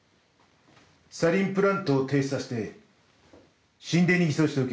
サリンプラントを停止させて神殿に偽装しておけ。